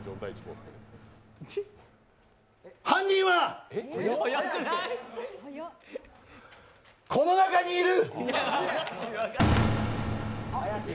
犯人は、この中にいる！